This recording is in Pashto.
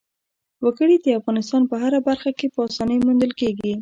وګړي د افغانستان په هره برخه کې په اسانۍ موندل کېږي.